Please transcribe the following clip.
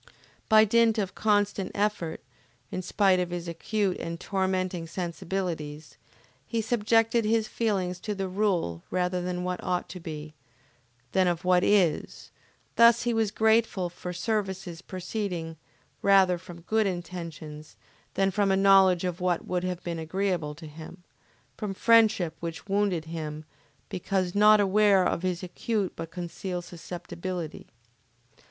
By dint of constant effort, in spite of his acute and tormenting sensibilities, he subjected his feelings to the rule rather of what ought to be, than of what is; thus he was grateful for services proceeding rather from good intentions than from a knowledge of what would have been agreeable to him; from friendship which wounded him, because not aware of his acute but concealed susceptibility.